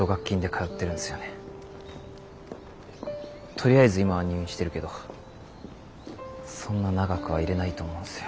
とりあえず今は入院してるけどそんな長くはいれないと思うんすよ。